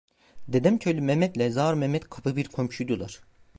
Dedemköylü Mehmet'le Zağar Mehmet kapı bir komşuydular.